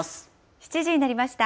７時になりました。